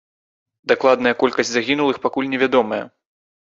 Дакладная колькасць загінулых пакуль невядомая.